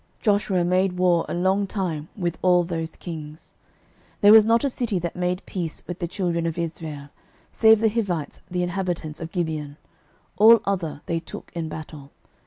06:011:018 Joshua made war a long time with all those kings. 06:011:019 There was not a city that made peace with the children of Israel, save the Hivites the inhabitants of Gibeon: all other they took in battle.